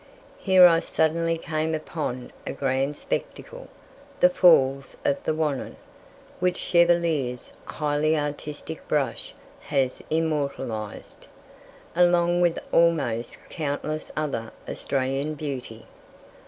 Here I suddenly came upon a grand spectacle the falls of the Wannon, which Chevalier's highly artistic brush has immortalized, along with almost countless other Australian beauty.